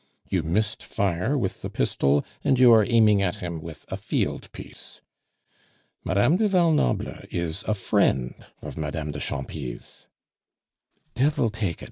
You missed fire with the pistol, and you are aiming at him with a field piece. Madame du Val Noble is a friend of Madame de Champy's " "Devil take it.